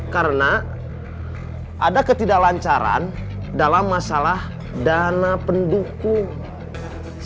karena ada ketidaklancaran dalam masalah dana pendukung